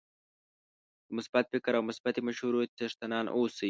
د مثبت فکر او مثبتې مشورې څښتنان اوسئ